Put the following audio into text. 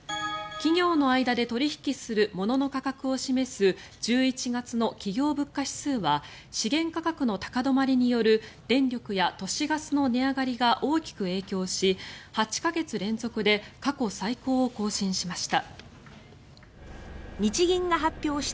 企業の間で取引する物の価格を示す１１月の企業物価指数は資源価格の高止まりによる電力や都市ガスの値上がりが大きく影響し８か月連続で過去最高を更新しました。